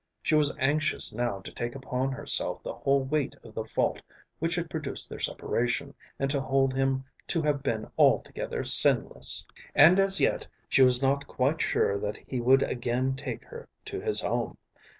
She was anxious now to take upon herself the whole weight of the fault which had produced their separation, and to hold him to have been altogether sinless. And as yet she was not quite sure that he would again take her to his home.